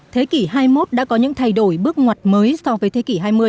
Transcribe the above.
thế kỷ hai mươi một đã có những thay đổi bước ngoặt mới so với thế kỷ hai mươi